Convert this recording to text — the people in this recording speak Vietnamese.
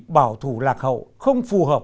bảo thủ lạc hậu không phù hợp